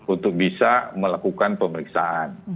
untuk bisa melakukan pemeriksaan